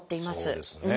そうですね。